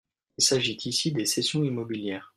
Il s’agit ici des cessions immobilières.